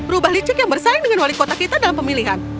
rubah licik yang bersaing dengan wali kota kita dalam pemilihan